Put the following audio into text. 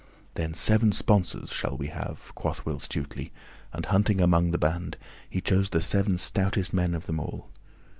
"Then seven sponsors shall we have," quoth Will Stutely, and hunting among all the band, he chose the seven stoutest men of them all.